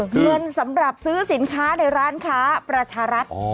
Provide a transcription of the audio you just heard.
เงินสำหรับซื้อสินค้าในร้านค้าประชารัฐ